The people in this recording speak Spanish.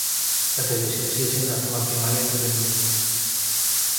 La televisión sigue siendo una forma primaria de entretenimiento.